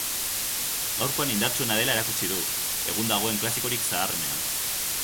Gaurkoan indartsuena dela erakutsi du, egun dagoen klasikorik zaharrenean.